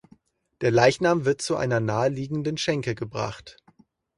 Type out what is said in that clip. Der Leichnam wird zu einer naheliegenden Schenke gebracht.